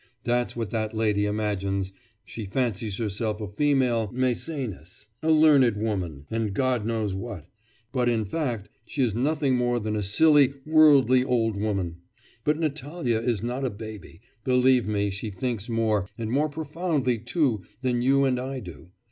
That's what that lady imagines; she fancies herself a female Maecenas, a learned woman, and God knows what, but in fact she is nothing more than a silly, worldly old woman. But Natalya is not a baby; believe me, she thinks more, and more profoundly too, than you and I do.